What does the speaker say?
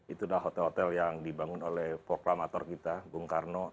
itu adalah hotel hotel yang dibangun oleh proklamator kita bung karno